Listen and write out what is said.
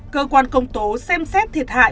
cơ quan công tố xem xét thiệt hại